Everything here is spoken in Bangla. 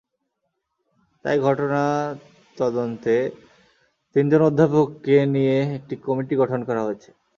তাই ঘটনা তদন্তে তিনজন অধ্যাপককে নিয়ে একটি কমিটি গঠন করা হয়েছে।